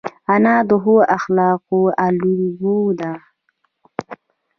انا د ښو اخلاقو الګو ده